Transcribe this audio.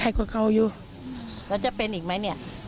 ใครที่เพื่อเข้าอยู่แล้วจะเป็นอีกไหมเนี่ย